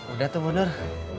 udah tuh bu nur